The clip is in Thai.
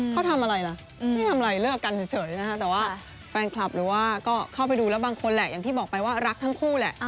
เขาทำอะไรล่ะไม่ทำอะไรเลิกกันเฉยนะคะแต่ว่าแฟนคลับหรือว่าก็เข้าไปดูแล้วบางคนแหละอย่างที่บอกไปว่ารักทั้งคู่แหละ